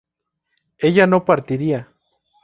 ¿ella no partiría?